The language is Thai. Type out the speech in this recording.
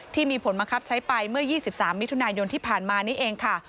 ที่มีผลบังคับใช้ไปเมื่อ๒๓มิถุนายนที่ผ่านมานี้เองค่ะ